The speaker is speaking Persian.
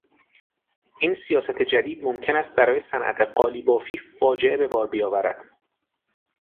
این سیاست جدید ممکن است برای صنعت قالی بافی فاجعه به بار بیاورد.